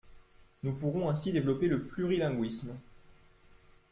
Nous pourrons ainsi développer le plurilinguisme.